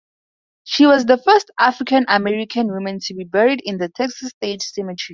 She was the first African-American woman to be buried in the Texas State Cemetery.